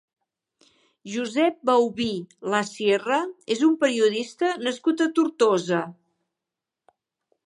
Josep Baubí Lasierra és un periodista nascut a Tortosa.